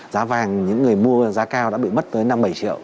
giá vàng những người mua giá cao đã bị mất tới năm bảy triệu